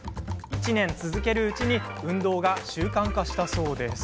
１年続けるうちに運動が習慣化したんだそうです。